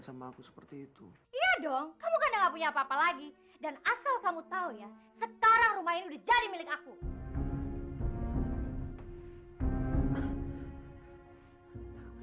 sekarang rumah ini udah jadi milik aku